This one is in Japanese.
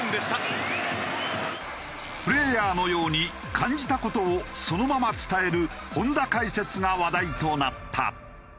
プレイヤーのように感じた事をそのまま伝える本田解説が話題となった。